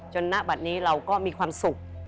ณบัตรนี้เราก็มีความสุข